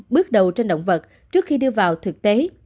bước đầu trên động vật trước khi đưa vào thực tế